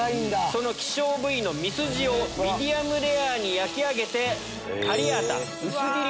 その希少部位のミスジをミディアムレアに焼き上げて。